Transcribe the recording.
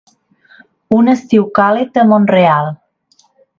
Un estiu càlid a Mont-real.